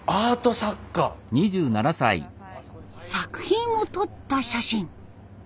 作品を撮った写真。